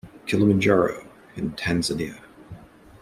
Kilimanjaro in Tanzania.